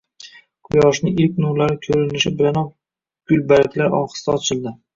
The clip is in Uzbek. quyoshning ilk nurlari ko‘rinishi bilanoq gulbarglar ohista ochildi